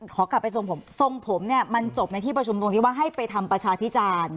ขอกลับไปทรงผมทรงผมเนี่ยมันจบในที่ประชุมตรงที่ว่าให้ไปทำประชาพิจารณ์